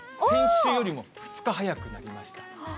先週よりも２日早くなりました。